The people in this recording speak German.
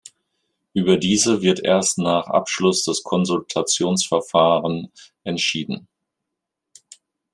Über diese wird erst nach Abschluss des Konsultationsverfahren entschieden.